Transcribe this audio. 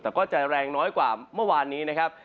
แต่ก็จะแรงน้อยกว่าเมื่อวานนี้นะครับ